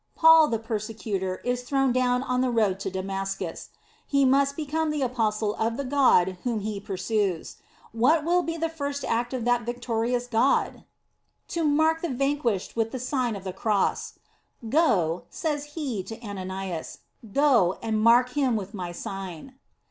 Paul the persecutor, is thrown down on the road to Damascus. He must become the apostle of the God whom he pursues. What will be the first act of that victorious God? To *1 Tim. iv, 4. 5. f In Tim., Honiil. xii. In the Nineteenth Century. 63 mark the vanquished with the Sign of the Cross. "Go," says He to Ananias, "go, and mark him with my sign."